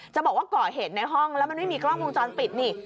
บอกว่าก่อเหตุในห้องแล้วมันไม่มีกล้องวงจรปิดนี่